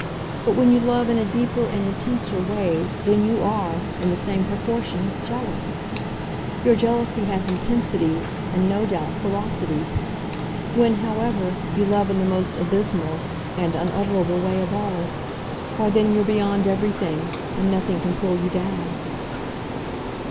But when you love in a deeper and intenser way, then you are, in the same proportion, jealous; your jealousy has intensity and, no doubt, ferocity. When, however, you love in the most abysmal and unutterable way of all why then you're beyond everything, and nothing can pull you down."